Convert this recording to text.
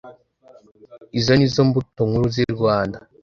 izo ni zo "mbuto nkuru" z'i rwanda.